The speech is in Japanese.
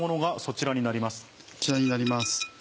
こちらになります。